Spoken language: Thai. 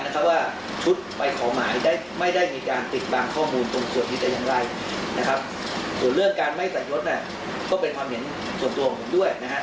ความบุญกายในเกียรติยศศักดิ์สีเรามีความสุขว่ายศเนี่ยมันเป็นความภาพบุญกายของเรานะครับ